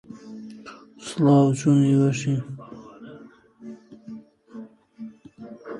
The trailer cars were later converted to motor cars.